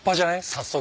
早速。